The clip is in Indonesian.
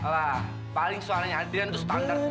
wah paling suaranya adrian itu standar banget